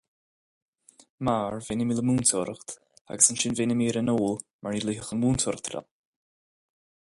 Mar bheinn imithe le múinteoireacht agus ansin bheinn imithe ar an ól mar ní luífeadh an mhúinteoireacht liom!